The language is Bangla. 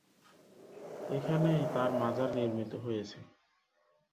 এখানেই তাঁর মাজার নির্মিত হয়েছে।